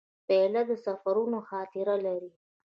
پیاله د سفرونو خاطره لري.